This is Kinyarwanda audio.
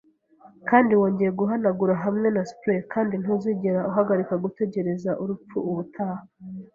kandi wongeye guhanagura hamwe na spray, kandi ntuzigera uhagarika gutegereza urupfu ubutaha